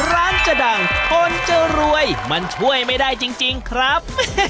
ร้านจะดังคนจะรวยมันช่วยไม่ได้จริงครับ